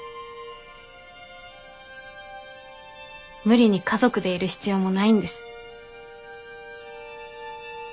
無理に家族でいる必要もないんです。